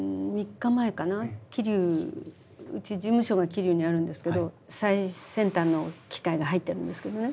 桐生うち事務所が桐生にあるんですけど最先端の機械が入ってるんですけどね。